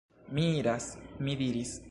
Mi iras! mi diris.